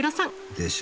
でしょ？